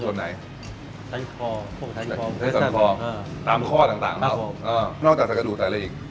ชายสันคอตามข้อต่างอย่างนอกจากใส่กระดูกใส่อะไรอีก